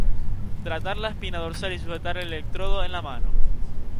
Tratar la espina dorsal y sujetar el electrodo en la mano.